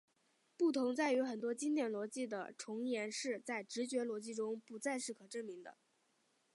不同在于很多经典逻辑的重言式在直觉逻辑中不再是可证明的。